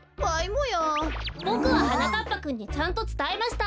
ボクははなかっぱくんにちゃんとつたえました！